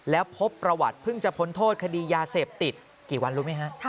แล้วพบประวัติเพิ่งจะพ้นโทษคดียาเสพติดกี่วันรู้ไหมฮะ